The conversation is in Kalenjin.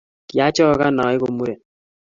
kiachokan aekuu muren.